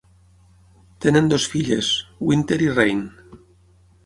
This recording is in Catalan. Tenen dues filles, Wynter i Raine.